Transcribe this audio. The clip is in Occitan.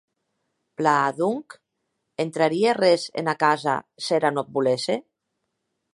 Plan, donc, entrarie arrés ena casa s’era non ac volesse?